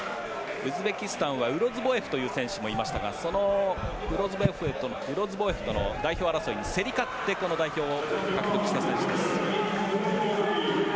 ウズベキスタンはウロズボエフという選手がいましたがそのウロズボエフとの代表争いに競り勝ってこの代表を獲得した選手です。